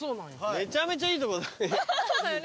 めちゃめちゃいいとこだね。